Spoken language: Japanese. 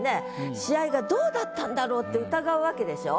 試合がどうだったんだろうって疑うわけでしょ？